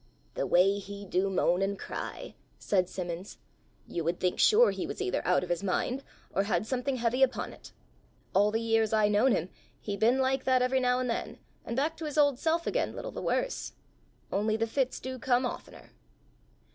"The way he do moan and cry!" said Simmons. "You would think sure he was either out of his mind, or had something heavy upon it! All the years I known him, he been like that every now an' then, and back to his old self again, little the worse! Only the fits do come oftener."